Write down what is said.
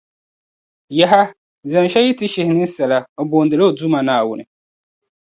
Yaha! Biɛrim shεli yi ti shihi ninsala, o boondila o Duuma Naawuni.